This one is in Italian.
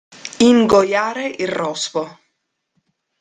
Ingoiare il rospo.